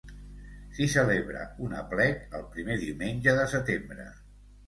S'hi celebra un aplec el primer diumenge de setembre.